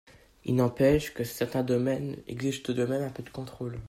Il n’empêche que certains domaines exigent tout de même un peu de contrôle.